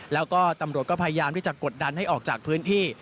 แล้วก็ตำรวจก็พยายามที่จะกดดันให้ออกจากพื้นที่